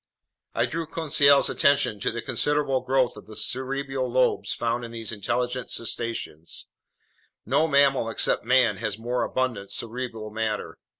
I drew Conseil's attention to the considerable growth of the cerebral lobes found in these intelligent cetaceans. No mammal except man has more abundant cerebral matter.